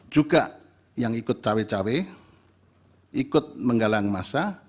juga yang ikut cawe cawe ikut menggalang masa